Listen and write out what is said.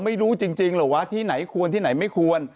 ไม่รู้จริงหรอกว่าที่ไหนควรที่ไหนไม่ควร